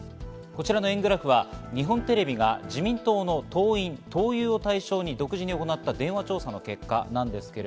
円グラフは日本テレビが自民党の党員・党友を対象に独自に行った電話調査の結果です。